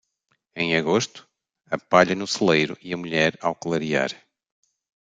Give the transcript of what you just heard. Em agosto, a palha no celeiro e a mulher ao clarear.